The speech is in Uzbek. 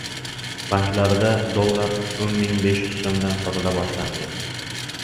Banklarda dollar o'n ming besh yuz so‘mdan sotila boshlandi